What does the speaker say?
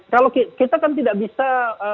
kalau kita kan tidak bisa